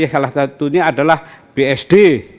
salah satunya adalah bsd